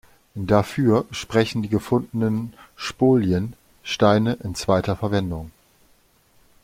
Dafür sprechen die gefundenen Spolien, Steine in zweiter Verwendung.